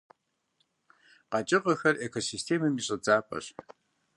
КъэкӀыгъэхэр экосистемэм и щӀэдзапӀэщ.